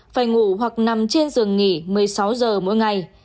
phải ngủ hoặc nằm trên giường nghỉ một mươi sáu giờ mỗi ngày